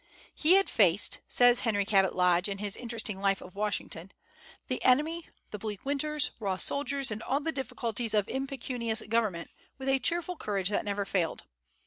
"He had faced," says Henry Cabot Lodge, in his interesting life of Washington, "the enemy, the bleak winters, raw soldiers, and all the difficulties of impecunious government, with a cheerful courage that never failed.